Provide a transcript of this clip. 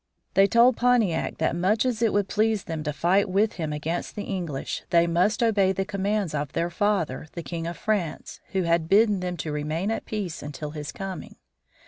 They told Pontiac that much as it would please them to fight with him against the English, they must obey the commands of their father, the King of France, who had bidden them to remain at peace until his coming.